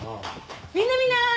みんなみんな！